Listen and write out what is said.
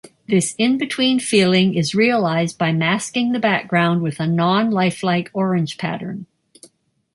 This "in-between" feeling is realized by masking the background with a non-lifelike orange pattern.